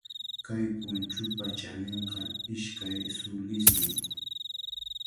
Kay punchupa chaninqa ishkay sulismi.